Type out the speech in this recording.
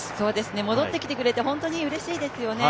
戻ってきてくれて本当にうれしいですよね。